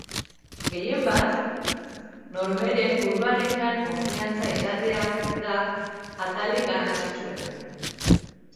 Gehien bat, norbere buruarengan konfidantza izatea da atalik garrantzitsuena.